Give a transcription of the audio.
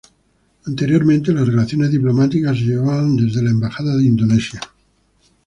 Anteriormente, las relaciones diplomáticas se llevaban desde la Embajada en Indonesia.